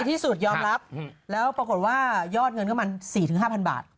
ที่สุดยอมรับแล้วปรากฏว่ายอดเงินก็มัน๔๕๐๐บาท